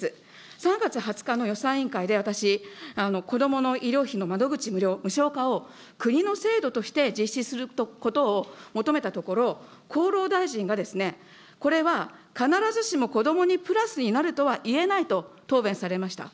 ３月２０日の予算委員会で、私、子どもの医療費の窓口無料、無償化を国の制度として実施することを求めたところ、厚労大臣がですね、これは必ずしも子どもにプラスになるとはいえないと答弁されました。